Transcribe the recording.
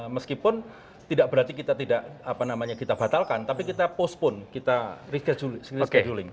meskipun tidak berarti kita batalkan tapi kita postpone kita rescheduling